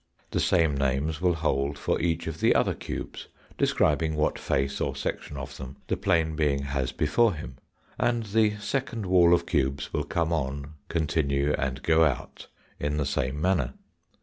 The same names will hold for each of the other cubes, describing what face or section of them the plane being has before him ; and the second wall of cubes will come on, continue, and go out in the same manner.